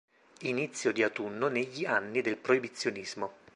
Inizio di autunno negli anni del Proibizionismo.